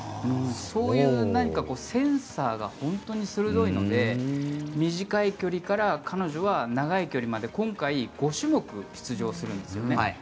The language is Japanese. そういうセンサーが本当に鋭いので短い距離から彼女は長い距離まで今回、５種目出場するんですよね。